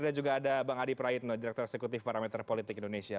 dan juga ada bang adi praitno direktur eksekutif parameter politik indonesia